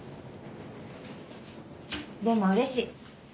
でもうれしい。